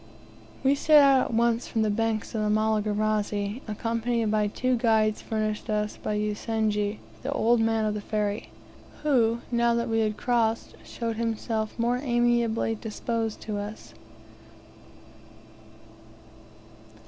We set out at once from the banks of the Malagarazi, accompanied by two guides furnished us by Usenge, the old man of the ferry, who, now that we had crossed, showed himself more amiably disposed to us.